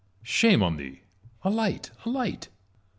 Shame on thee 1 alight, alight